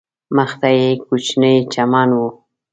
مخ ته یې کوچنی چمن و.